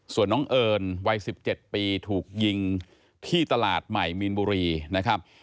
ส่วนน้องเอิญวัย๑๗ปีถูกยิงที่ตลาดใหม่มีนบุรีนะครับ